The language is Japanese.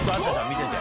見てて。